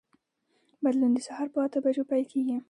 بدلون د سهار په اته بجو پیل کېږي.